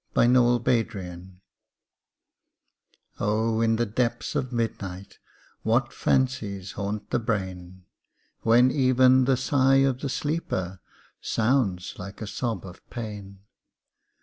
IN THE DARK O In the depths of midnight What fancies haunt the brain! When even the sigh of the sleeper Sounds like a sob of pain.